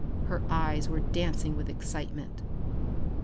Her eyes were dancing with excitement.